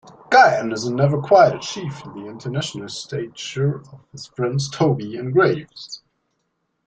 Guy Anderson never quite achieved the international stature of his friends Tobey and Graves.